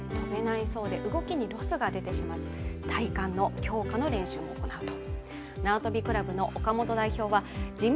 体幹の強化の練習も行うと。